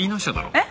えっ？